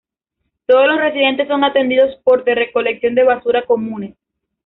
Todos los residentes son atendidos por de recolección de basura comunes.